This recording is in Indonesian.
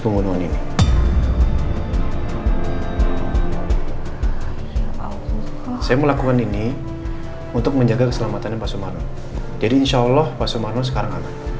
pembunuhan ini saya melakukan ini untuk menjaga keselamatan yang pasum jadi insyaallah sekarang